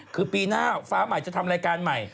คือปีหน้าฟ้าใหม่จะทำรายการใหม่